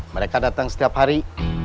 mereka datang setiap hari